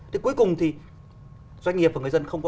thì cuối cùng thì doanh nghiệp và người dân không có